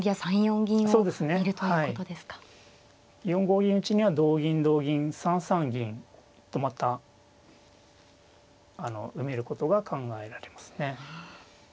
４五銀打には同銀同銀３三銀とまた埋めることが考えられますね。